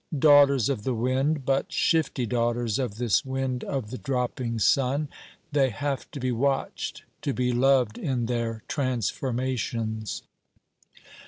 Daughters of the wind, but shifty daughters of this wind of the dropping sun, they have to be watched to be loved in their transformations.